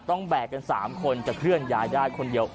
แบกกัน๓คนจะเคลื่อนย้ายได้คนเดียว